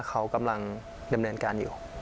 เขากำลังเรียบเรียนการอยู่